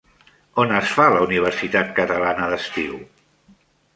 On es fa la Universitat Catalana d'Estiu?